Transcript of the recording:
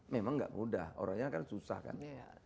memang nggak mudah orangnya kan susah kan